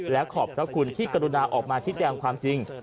และขอบพระคุณที่กรุณาออกมาชี้แจงความจริง